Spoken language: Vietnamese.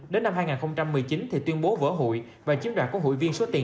đến năm hai nghìn một mươi chín thì tuyên bố vỡ hụi và chiếm đoạt của hụi viên số tiền